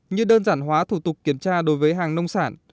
như đơn giản hóa thủ tục kiểm tra đối với hàng nông sản